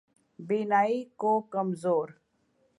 بینائی کو کمزور